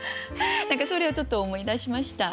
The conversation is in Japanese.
何かそれをちょっと思い出しました。